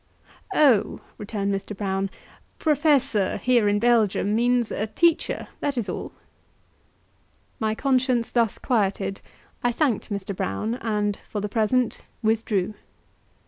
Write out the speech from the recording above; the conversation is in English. "Oh," returned Mr. Brown, "professor, here in Belgium, means a teacher, that is all." My conscience thus quieted, I thanked Mr. Brown, and, for the present, withdrew.